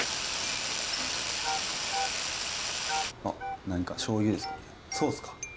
あっ何かしょう油ですか？